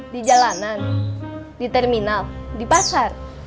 di jalanan di terminal di pasar